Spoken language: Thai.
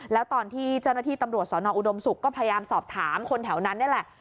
แล้วตอนที่เจ้าหน้าที่ตำรวจสนอุดมศุกร์ก็พยายามสอบถามคนแถวนั้นนี่แหละ